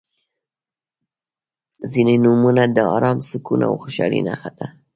• ځینې نومونه د ارام، سکون او خوشحالۍ نښه ده.